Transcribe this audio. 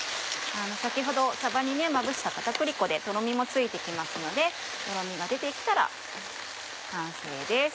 先ほどさばにまぶした片栗粉でとろみもついて来ますのでとろみが出て来たら完成です。